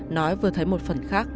nói vừa thấy một phần khác